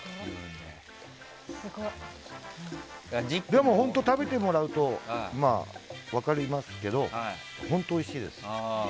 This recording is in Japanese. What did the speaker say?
でも本当に食べてもらうと分かりますけど本当においしいです。